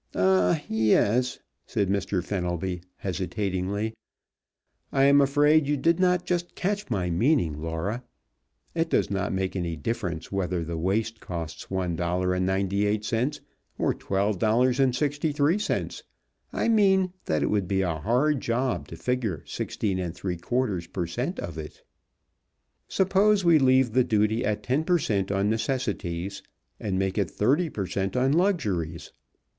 "Ah yes," said Mr. Fenelby, hesitatingly. "I am afraid you did not just catch my meaning, Laura. It does not make any difference whether the waist costs one dollar and ninety eight cents or twelve dollars and sixty three cents. I mean that it would be a hard job to figure sixteen and three quarters per cent. of it. Suppose we leave the duty at ten per cent. on necessities, and make it thirty per cent. on luxuries?